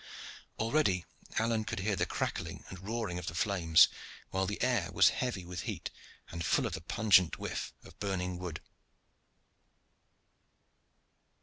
Already Alleyne could hear the crackling and roaring of the flames, while the air was heavy with heat and full of the pungent whiff of burning wood.